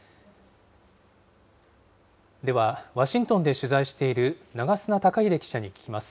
では、ワシントンで取材している長砂貴英記者に聞きます。